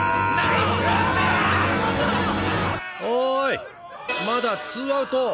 おいまだツーアウト